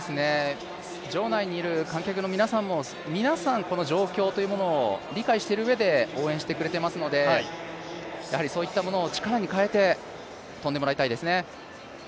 場内にいる観客の皆さんも皆さん、この状況というものを理解している上で応援してくれていますのでそういったものを力に変えて跳んでもらいたいですね。